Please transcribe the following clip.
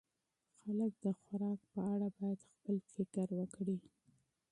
خلک د خوراک په اړه باید خپل فکر وکړي.